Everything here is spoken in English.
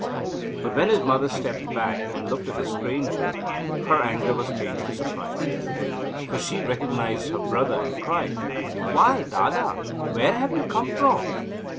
But when his mother stepped back and looked at the stranger, her anger was changed to surprise. For she recognised her brother, and cried: "Why, Dada! Where have you come from?"